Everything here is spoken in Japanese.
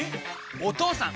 お義父さん！